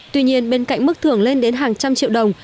tuy nhiên bên cạnh mức thưởng lên đến hàng trăm triệu đồng